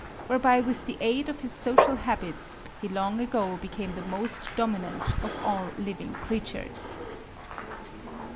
whereby with the aid of his social habits, he long ago became the most dominant of all living creatures.